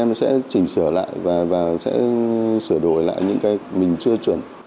nó sẽ chỉnh sửa lại và sẽ sửa đổi lại những cái mình chưa chuẩn